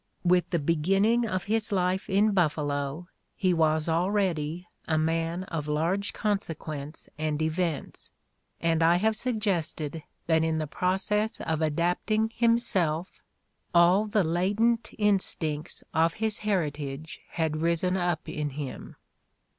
With the begin ning of his life in Buffalo he was already "a man of large consequence and events," and I have suggested that in the process of adapting himself all the latent instincts of his heritage had risen up in him.